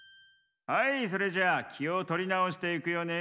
はいそれじゃきをとりなおしていくよね。